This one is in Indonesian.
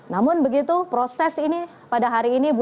namun begitu proses ini pada hari ini budi ada apa